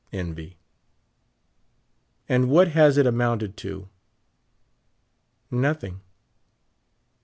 Envy. And what has it amounted to? Nothing.